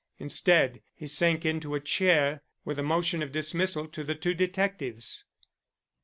Instead, he sank into a chair, with a motion of dismissal to the two detectives.